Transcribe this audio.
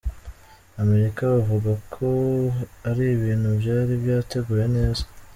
Amerika buvuga ko ari ibintu byari byateguwe neza.